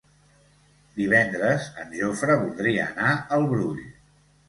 Divendres en Jofre voldria anar al Brull.